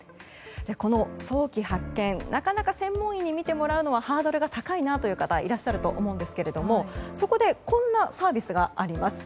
この早期発見、なかなか専門医に診てもらうのはハードルが高いなという方いらっしゃると思うんですがそこでこんなサービスがあります。